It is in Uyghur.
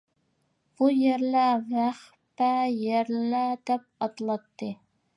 بۇ يەرلەر ۋەخپە يەرلەر دەپ ئاتىلاتتى.